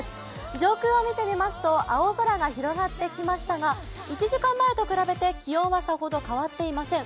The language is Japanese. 上空を見てみますと青空が広がってきましたが１時間前と比べて気温はさほど変わっていません。